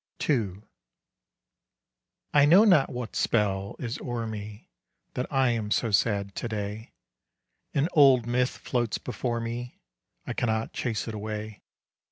II. I know not what spell is o'er me, That I am so sad to day; An old myth floats before me I cannot chase it away.